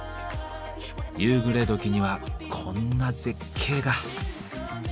夕暮れ時にはこんな絶景が。